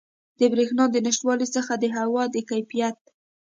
د بریښنا د نشتوالي څخه د هوا د کیفیت